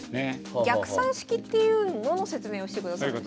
逆算式っていうのの説明をしてくださるんですね。